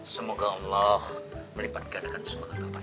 semoga allah melibatkan akan semua kebaikan